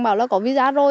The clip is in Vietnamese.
bảo là có visa rồi